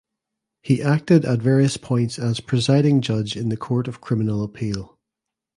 He acted at various points as presiding judge in the Court of Criminal Appeal.